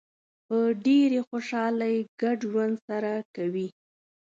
په ډېرې خوشحالۍ ګډ ژوند سره کوي.